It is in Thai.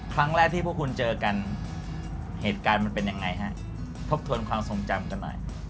ครั้งแรกที่พวกคุณเจอกันเหตุการณ์มันเป็นยังไงฮะทบทวนความทรงจำกันหน่อย